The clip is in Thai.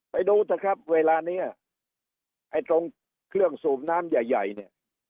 ไปดูเถอะครับเวลานี้ไอ้ตรงเครื่องสูบน้ำใหญ่ใหญ่เนี่ย